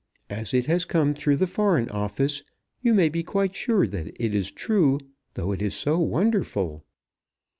As it has come through the Foreign Office you may be quite sure that it is true, though it is so wonderful.